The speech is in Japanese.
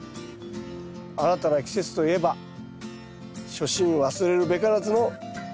新たな季節といえば初心忘るべからずの藤田智です。